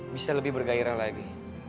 bisa lebih bergairah lagi